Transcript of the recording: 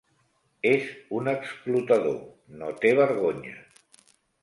És un explotador: no té vergonya.